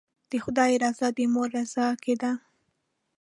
د خدای رضا د مور رضا کې ده.